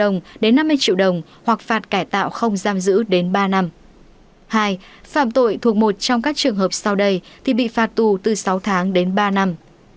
một người nào thực hiện một trong các hành vi sau đây thì bị phạt tu từ bảy năm đến một mươi năm năm